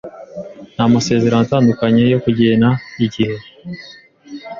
n'amasezerano atandukanye yo kugena igihe.